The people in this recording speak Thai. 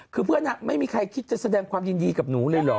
คือเพื่อนไม่มีใครคิดจะแสดงความยินดีกับหนูเลยเหรอ